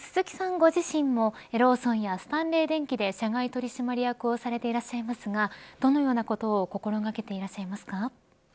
ご自身もローソンやスタンレー電気で社外取締役をされていらっしゃいますがどのようなことを心掛けていますか。